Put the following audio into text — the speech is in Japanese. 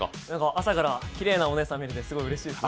朝からきれいなお姉さんが見れてうれしいです。